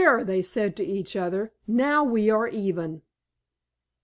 they said to each other. "Now we are even."